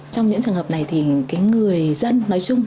trong những trường hợp này thì người dân nói chung